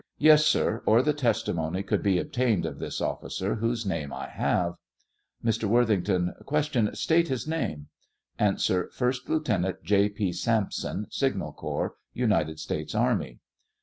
Yes, sir ; or the testimony could be obtained of this officer, whose name I have. Mr. Worthington : Q. State his name ? A. First Lieutenant J. P. Sampson, signal corps, United States army.